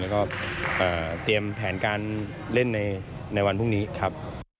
แล้วก็เตรียมแผนการเล่นในวันพรุ่งนี้ครับ